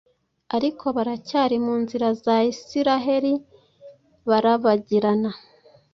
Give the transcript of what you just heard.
Ariko baracyari mu nzira za Isiraheli barabagirana.